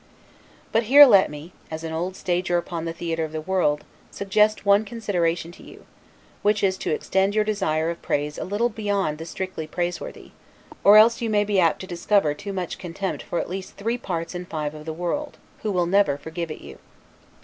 But here let me, as an old stager upon the theatre of the world, suggest one consideration to you; which is, to extend your desire of praise a little beyond the strictly praiseworthy; or else you may be apt to discover too much contempt for at least three parts in five of the world, who will never forgive it you.